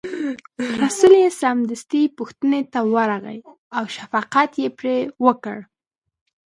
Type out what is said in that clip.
رسول یې سمدستي پوښتنې ته ورغی او شفقت یې پرې وکړ.